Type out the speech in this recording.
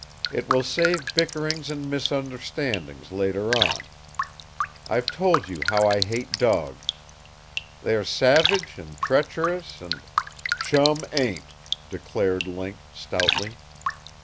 "It will save bickerings and misunderstandings, later on. I've told you how I hate dogs. They are savage and treacherous and " "Chum ain't!" declared Link stoutly.